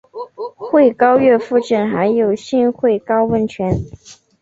穗高岳附近有新穗高温泉。